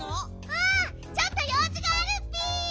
うんちょっとようじがあるッピ！